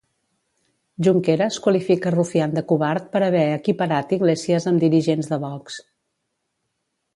Junqueras qualifica Rufián de covard per haver equiparat Iglesias amb dirigents de Vox.